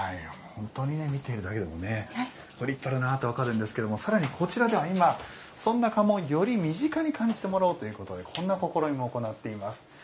見ているだけでも立派だなと分かるんですがさらにこちらでは、そんな家紋をより身近に感じてもらおうということでこんな試みも行っています。